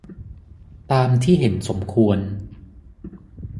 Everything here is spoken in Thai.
ตามที่เห็นสมควร